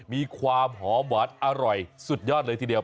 มีความหอมหวานอร่อยสุดยอดเลยทีเดียว